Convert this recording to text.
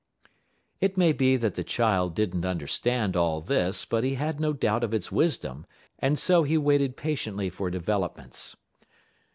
It may be that the child did n't understand all this, but he had no doubt of its wisdom, and so he waited patiently for developments.